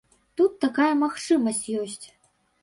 Тут такая магчымасць ёсць.